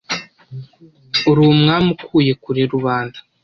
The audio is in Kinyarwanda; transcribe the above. Uri Umwami ukuye kure Rubanda